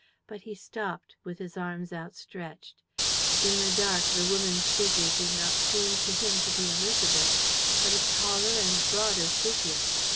But he stopped, with his arms outstretched. In the dark, the woman's figure did not seem to him to be Élisabeth's, but a taller and broader figure.